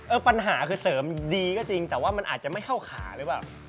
ปัญหาคือเสริมดีก็จริงแต่ว่ามันอาจจะไม่เข้าขาหรือเปล่า